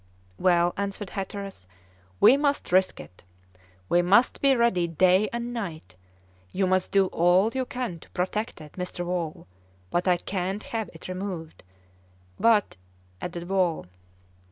"Well," answered Hatteras, "we must risk it. We must be ready day and night. You must do all you can to protect it, Mr. Wall, but I can't have it removed." "But " added Wall.